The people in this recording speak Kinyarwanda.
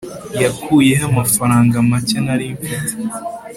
yakuyeho amafaranga make nari mfite